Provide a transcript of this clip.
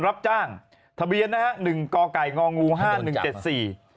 รับจ้างทะเบียนนะฮะหนึ่งก่อไก่งองูห้าหนึ่งเจ็ดสี่